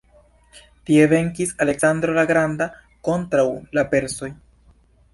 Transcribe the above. Tie venkis Aleksandro la Granda kontraŭ la persoj.